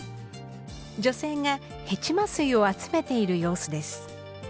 女性がヘチマ水を集めている様子です。